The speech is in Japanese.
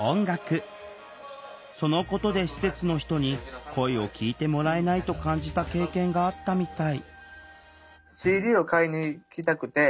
そのことで施設の人に声を聴いてもらえないと感じた経験があったみたい